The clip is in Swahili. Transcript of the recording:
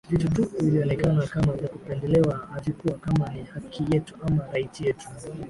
vitu tu vilionekana kama vya kupendelewa havikuwa kama ni haki yetu ama right yetu